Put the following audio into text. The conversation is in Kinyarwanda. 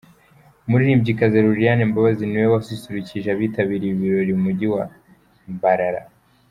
Umuririmbyikazi Lilian Mbabazi niwe wasusurukije abitabiriye ibi birori mu mujyi wa Mbarara.